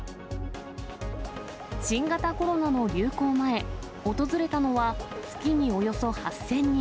新型コロナの流行前、訪れたのは、月におよそ８０００人。